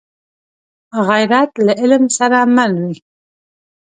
غیرت له علم سره مل وي